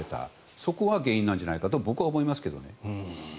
そこが原因なんじゃないかと僕は思いますけどね。